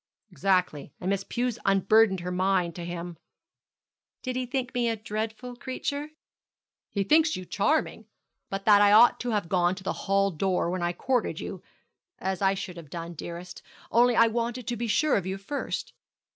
'Exactly; and Miss Pew unburdened her mind to him.' 'Did he think me a dreadful creature?' 'He thinks you charming, but that I ought to have gone to the hall door when I courted you; as I should have done, dearest, only I wanted to be sure of you first.